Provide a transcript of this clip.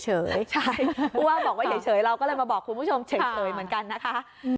เพราะว่าบอกว่าเฉยเราก็เลยมาบอกคุณผู้ชมเฉยเหมือนกันนะคะ